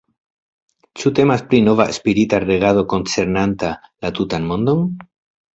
Ĉu temas pri nova spirita regado koncernanta la tutan mondon?